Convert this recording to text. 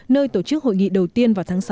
nơi tổ chức hội nghị đầu tiên vào tháng sáu